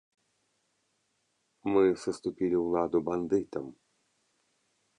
Мы саступілі ўладу бандытам.